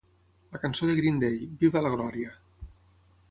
La cançó de Green Day "¡Viva la Gloria!"